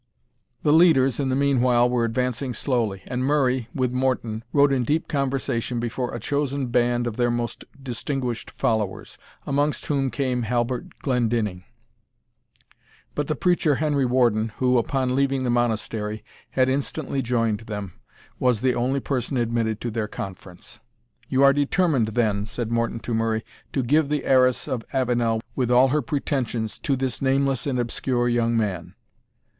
The leaders, in the meanwhile, were advancing slowly, and Murray, with Morton, rode in deep conversation before a chosen band of their most distinguished followers, amongst whom came Halbert Glendinning. But the preacher Henry Warden, who, upon leaving the Monastery, had instantly joined them, was the only person admitted to their conference. "You are determined, then," said Morton to Murray, "to give the heiress of Avenel, with all her pretensions, to this nameless and obscure young man?"